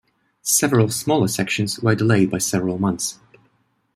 Several smaller sections were delayed by several months.